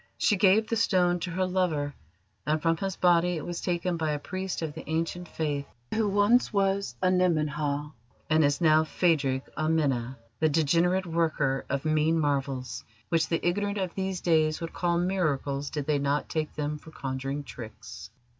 She gave the stone to her lover, and from his body it was taken by a priest of the Ancient Faith who once was Anemen Ha, and is now Phadrig Amena, the degenerate worker of mean marvels which the ignorant of these days would call miracles did they not take them for conjuring tricks.